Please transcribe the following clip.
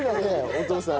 お父さん。